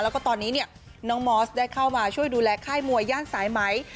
แล้วก็ตอนนี้เนี่ยน้องมอสได้เข้ามาช่วยดูแลค่ายมวยย่านสายไหม